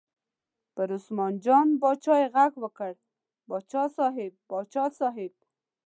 پر عثمان جان باچا یې غږ وکړ: باچا صاحب، باچا صاحب.